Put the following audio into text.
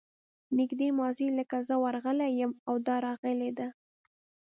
نږدې ماضي لکه زه ورغلی یم او دا راغلې ده.